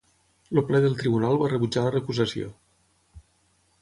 El ple del Tribunal va rebutjar la recusació.